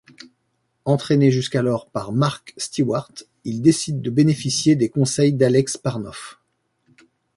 Entrainé jusqu'alors par Mark Stewart, il décide de bénéficier des conseils d'Alex Parnov.